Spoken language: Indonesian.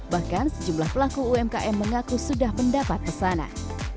bahkan sejumlah pelaku umkm mengaku sudah mendapat pesanan